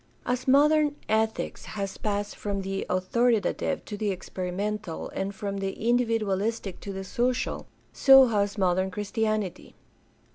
As modern ethics has passed from the authoritative to the experimental and from the individualistic to the social, so has modern Chris tianity.